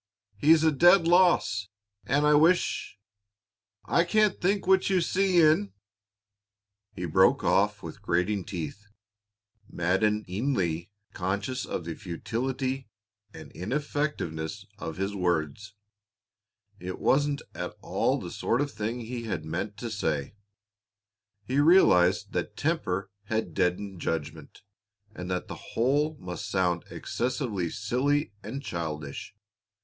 He's a dead loss, and I wish I can't think what you see in " He broke off with grating teeth, maddeningly conscious of the futility and ineffectiveness of his words. It wasn't at all the sort of thing he had meant to say. He realized that temper had deadened judgment, and that the whole must sound excessively silly and childish.